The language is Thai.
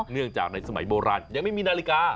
เนื่องจากในสมัยโบราณยังไม่มีนาฬิกา